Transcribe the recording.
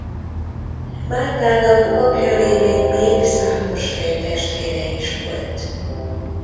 Mártának apja révén még számos féltestvére is volt.